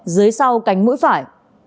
dưới sau cánh mũi phải